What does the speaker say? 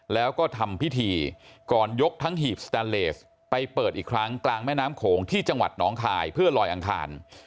แล้วก็ทำพิธีก่อนยกทั้งหีบสแตนเลสไปเปิดอีกครั้งกลางแม่น้ำโขงที่จังหวัดหนองคายเพื่อลอยอังคาร